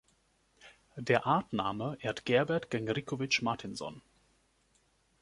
Der Artname ehrt Gerbert Genrikhovich Martinson.